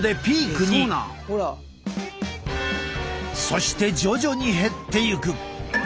そして徐々に減っていく。